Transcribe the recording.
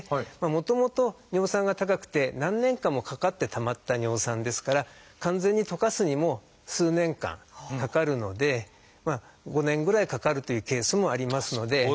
もともと尿酸が高くて何年間もかかってたまった尿酸ですから完全に溶かすにも数年間かかるので５年ぐらいかかるというケースもありますので。